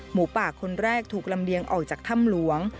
หมูป่าคนแรกถูกลำเลียงออกจากถ้ำหลวง